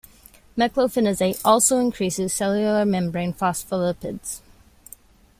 Meclofenoxate also increases cellular membrane phospholipids.